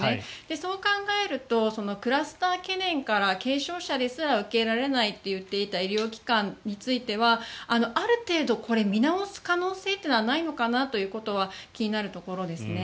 そう考えるとクラスター懸念から軽症者ですら受け入れられないといった医療機関についてはある程度これ、見直す可能性はないのかなということは気になるところですね。